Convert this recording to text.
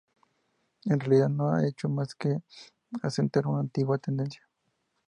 En realidad, no ha hecho más que acentuar una antigua tendencia.